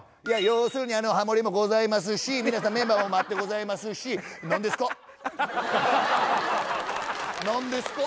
要するにあのハモリもございますし皆さんメンバーも待ってございますしなんですか？